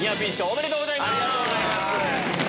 ありがとうございます！